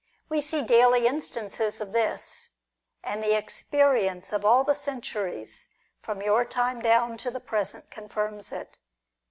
We see daily instances of this, and the experi ence of all the centuries, from your time down to the present, confirms it.